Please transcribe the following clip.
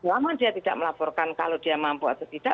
selama dia tidak melaporkan kalau dia mampu atau tidak